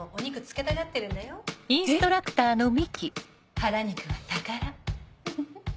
腹肉は宝フフフ。